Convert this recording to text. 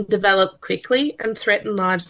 dan menyebabkan penyakit kemungkinan tersebut